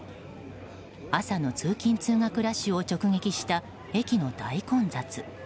朝の通勤・通学ラッシュを直撃した駅の大混雑。